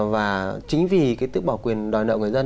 và chính vì tước bỏ quyền đòi nợ của người dân